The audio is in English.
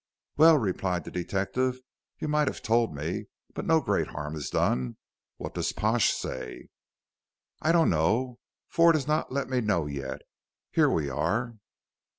"Well," replied the detective, "you might have told me; but no great harm is done. What does Pash say?" "I don't know. Ford has not let me know yet. Here we are."